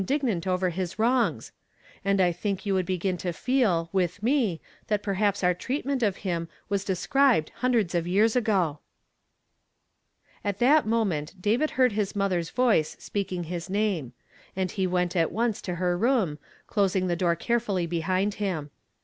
gnant over his wrongs ; and I think vou would begin to feel, with me, that perhaps our treatment of him was described hundreds of years aijo. At that moment David heard his motln r's voice speaking liis name ; and he went at once to her room, closing the door carefully behind him.